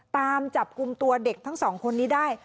ตามจับกลุ่มตัวเด็กทั้งสองคนนี้ได้